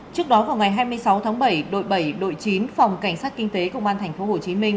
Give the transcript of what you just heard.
trước đó vào ngày hai mươi sáu tháng bảy đội bảy đội chín phòng cảnh sát kinh tế công an tp hồ chí minh